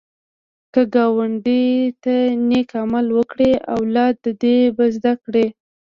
که ګاونډي ته نېک عمل وکړې، اولاد دې به زده کړي